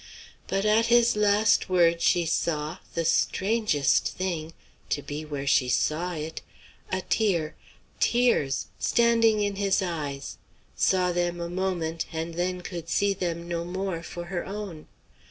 But at his last words she saw the strangest thing to be where she saw it a tear tears standing in his eyes; saw them a moment, and then could see them no more for her own.